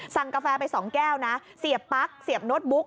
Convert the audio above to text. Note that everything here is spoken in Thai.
สั่งกาแฟไป๒แก้วเสียบปั๊กเสียบโนชบุ๊ค